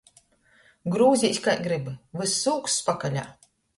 Grūzīs kai gribi, vys ūksts pakaļā.